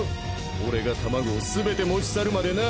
俺が卵をすべて持ち去るまでな。